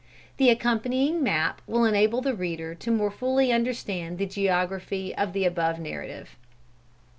The accompanying map will enable the reader more fully to understand the geography of the above narrative.